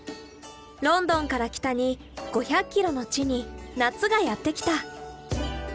ロンドンから北に５００ｋｍの地に夏がやって来た。